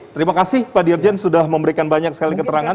terima kasih pak dirjen sudah memberikan banyak sekali keterangan